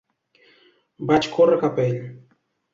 Vaig córrer cap a ell